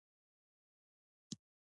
د پسونو وړۍ غالۍ جوړوي